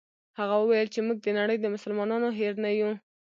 هغه وویل چې موږ د نړۍ د مسلمانانو هېر نه یو.